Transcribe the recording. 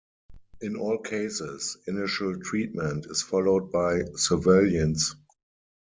In all cases, initial treatment is followed by surveillance.